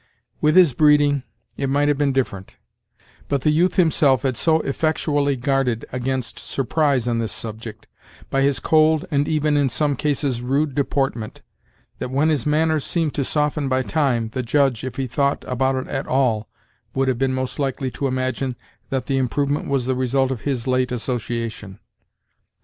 With his breeding, it might have been different; but the youth himself had so effectually guarded against surprise on this subject, by his cold and even, in some cases, rude deportment, that when his manners seemed to soften by time, the Judge, if he thought about it at all, would have been most likely to imagine that the improvement was the result of his late association.